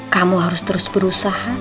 kamu harus terus berusaha